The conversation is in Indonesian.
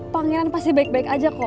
pangeran pasti baik baik aja kok